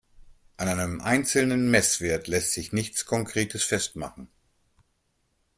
An einem einzelnen Messwert lässt sich nichts Konkretes festmachen.